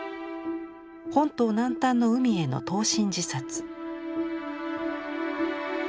本島南端の海への投身自殺。